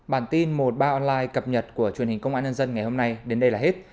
bản tin một mươi ba online cập nhật của truyền hình công an nhân dân ngày hôm nay đến đây là hết